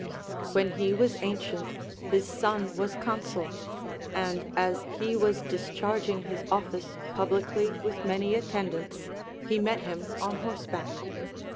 When he was ancient, his son was consul, and as he was discharging his office publicly with many attendants, he met him on horseback.